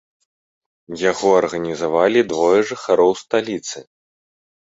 Яго арганізавалі двое жыхароў сталіцы.